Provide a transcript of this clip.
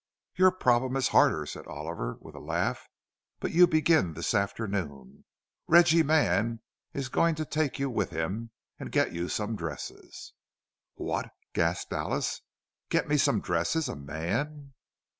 "Your problem is harder," said Oliver, with a laugh; "but you begin this afternoon. Reggie Mann is going to take you with him, and get you some dresses." "What!" gasped Alice. "Get me some dresses! A man?"